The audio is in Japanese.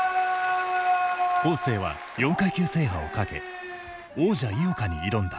恒成は４階級制覇を懸け王者井岡に挑んだ。